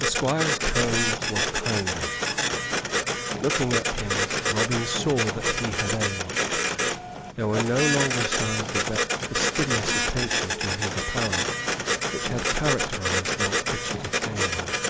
The Squire's tones were kinder. Looking at him, Robin saw that he had aged. There were no longer signs of that fastidious attention to his apparel which had characterized Montfichet of Gamewell.